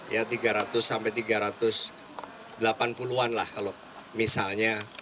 ya tiga ratus sampai tiga ratus delapan puluh an lah kalau misalnya